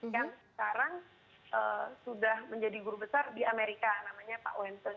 yang sekarang sudah menjadi guru besar di amerika namanya pak wenson